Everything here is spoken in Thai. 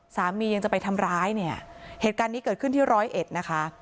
สามียังจะไปทำร้ายเนี่ยเหตุการณ์นี้เกิดขึ้นที่ร้อยเอ็ดนะคะ